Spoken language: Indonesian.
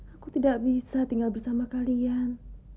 aku tidak bisa tinggal bersama kalian